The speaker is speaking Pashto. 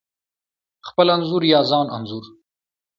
خپل انځور یا ځان انځور: